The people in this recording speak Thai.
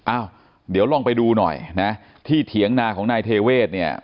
อ้าวเดี๋ยวลองไปดูหน่อยนะที่เถียงนาของนายเทเวศเนี่ย